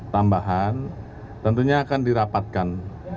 tambahan tentunya akan dirapatkan